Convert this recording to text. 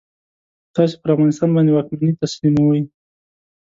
تاسې پر افغانستان باندي واکمني تسلیموي.